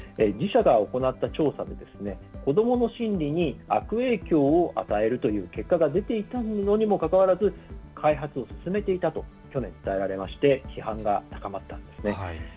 自社が行った調査で子どもの心理に悪影響を与えるという結果が出ていたのにもかかわらず開発を進めていたと去年伝えられまして批判が高まったんですね。